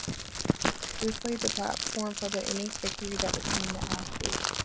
This laid the platform for the innings victory that retained the Ashes.